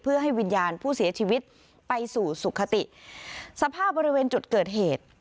เพื่อให้วิญญาณผู้เสียชีวิตไปสู่สุขติสภาพบริเวณจุดเกิดเหตุ